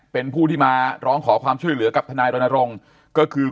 เป็นผู้ที่มาร้องขอความช่วยเหลือกับทนายรณรงค์ก็คือ